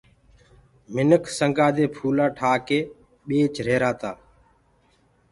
منک سنگآ دي ڦولآ ٺآڪي ٻيچدآ رهيرآ تآ۔